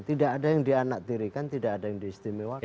tidak ada yang dianaktirikan tidak ada yang diistimewakan